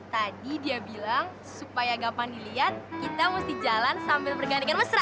tadi dia bilang supaya gampang dilihat kita mesti jalan sambil bergandingan mesra